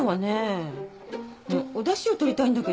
おだしを取りたいんだけど。